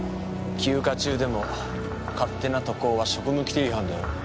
休暇中でも勝手な渡航は職務規定違反だよ。